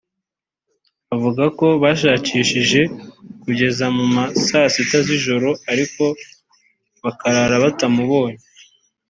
avuga ko bashakishije kugeza mu ma saa sita z’ijoro ariko bakarara batamubonye